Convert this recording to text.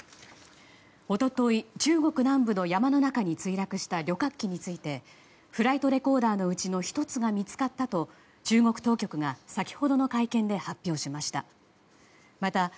一昨日、中国南部の山の中に墜落した旅客機についてフライトレコーダーのうちの１つが見つかったと中国当局が先ほどの会見で発表しました。